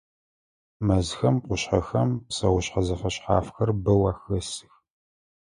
Мэзхэм, къушъхьэхэм псэушъхьэ зэфэшъхьафхэр бэу ахэсых.